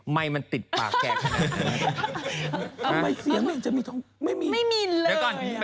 ไมค์มันติดปากแกะเลย